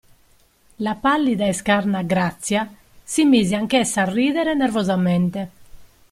La pallida e scarna Grazia si mise anch'essa a ridere nervosamente.